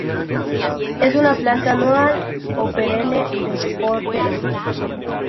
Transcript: Es una planta anual o perenne de porte erguido.